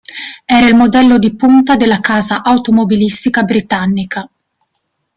Era il modello di punta della casa automobilistica britannica.